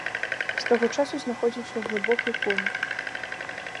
З таго часу знаходзіўся ў глыбокай коме.